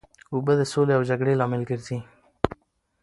اوبه د سولې او جګړې لامل ګرځي.